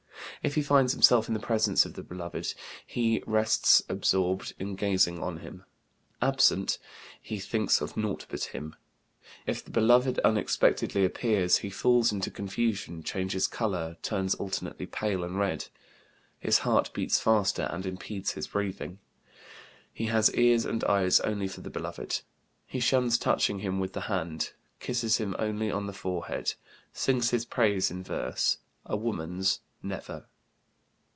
If he finds himself in the presence of the beloved, he rests absorbed in gazing on him. Absent, he thinks of nought but him. If the beloved unexpectedly appears, he falls into confusion, changes color, turns alternately pale and red. His heart beats faster and impedes his breathing. He has ears and eyes only for the beloved. He shuns touching him with the hand, kisses him only on the forehead, sings his praise in verse, a woman's never."